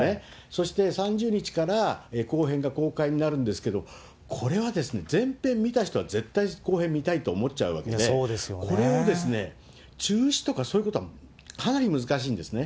そして３０日から後編が公開になるんですけど、これはですね、前編見た人は絶対後編見たいと思っちゃうわけで、これを中止とかそういうことはかなり難しいんですね。